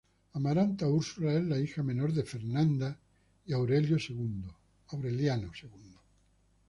Amaranta Úrsula es la hija menor de Fernanda y Aureliano Segundo.